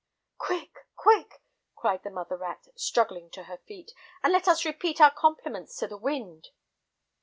"Quick, quick," cried the mother rat, struggling to her feet, "and let us repeat our compliments to the wind."